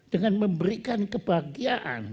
dengan memberikan kebahagiaan